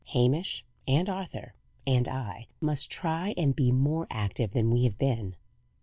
Hamish, and Arthur, and I, must try and be more active than we have been."